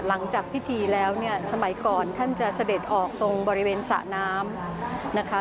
หลังจากพิธีแล้วเนี่ยสมัยก่อนท่านจะเสด็จออกตรงบริเวณสระน้ำนะคะ